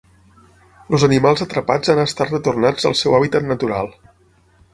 Els animals atrapats han estat retornats al seu hàbitat natural.